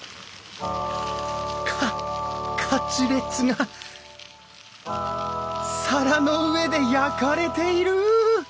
カカツレツが皿の上で焼かれている！